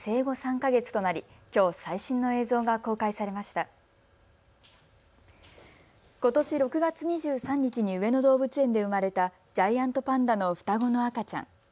ことし６月２３日に上野動物園で生まれたジャイアントパンダの双子の赤ちゃん。